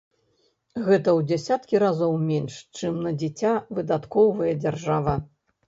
Гэта ў дзесяткі разоў менш, чым на дзіця выдаткоўвае дзяржава.